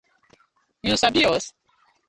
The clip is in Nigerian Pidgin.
Yu sabi us?